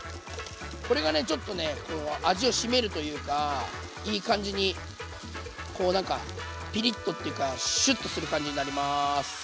これがちょっとね味を締めるというかいい感じにこうなんかピリッとっていうかシュッとする感じになります。